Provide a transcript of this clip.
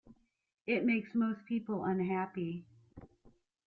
It makes most people unhappy.